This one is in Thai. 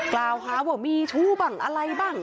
กล่าวหาว่ามีชู้บ้างอะไรบ้าง